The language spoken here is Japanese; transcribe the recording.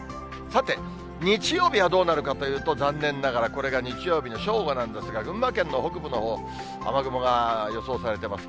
さて、日曜日はどうなるかというと、残念ながら、これが日曜日の正午なんですが、群馬県の北部のほう、雨雲が予想されてます。